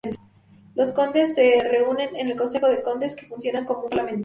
Los Condes se reúnen en el "Consejo de Condes", que funciona como un parlamento.